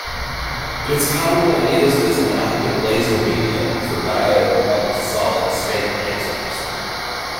It is commonly used as an active laser medium for diode-pumped solid-state lasers.